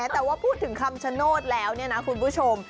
แต่ว่าพูดถึงคำชะโน๊ตแล้วนะคุณผู้ชม